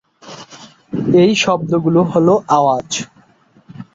এই শব্দগুলো হলো আওয়াজ।